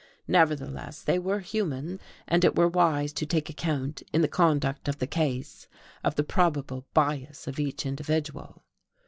Nevertheless they were human, and it were wise to take account, in the conduct of the case, of the probable bias of each individual.